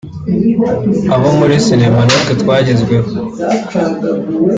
Abo muri sinema natwe twagezweho